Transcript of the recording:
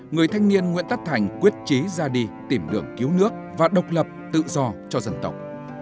người thanh niên nguyễn tất thành quyết trí ra đi tìm đường cứu nước và độc lập tự do cho dân tộc